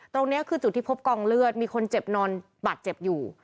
ตรงนี้คือจุดที่พบกองเลือดมีคนเจ็บนอนบาดเจ็บอยู่